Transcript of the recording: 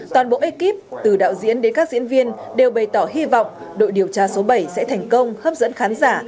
skip từ đạo diễn đến các diễn viên đều bày tỏ hy vọng đội điều tra số bảy sẽ thành công hấp dẫn khán giả